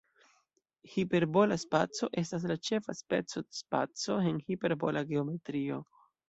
Hiperbola spaco estas la ĉefa speco de spaco en hiperbola geometrio.